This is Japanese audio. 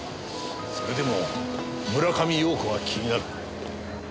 それでも村上陽子が気になる。